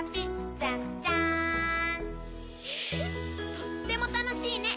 とっても楽しいね！